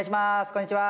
こんにちは。